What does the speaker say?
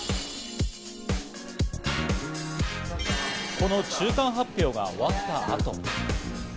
この中間発表が終わった後。